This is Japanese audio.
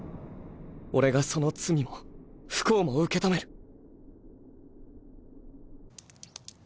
俺がその罪も不幸も受け止める